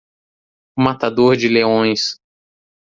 O matador de leões.